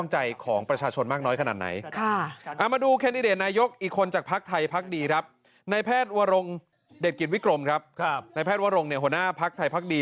ในแพทย์วรรงค์หัวหน้าภักดิ์ไทย